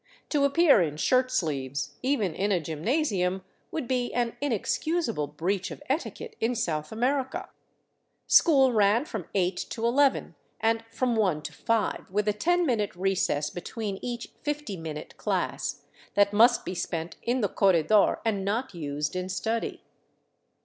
To appear in shirt sleeves, even in a gymnasium, would be an inexcusable breach of etiquette in South America. School ran from 8 to ii, and from I to 5, with a ten minute recess between each fifty minute class, that must be spent in the corredor and not used in study.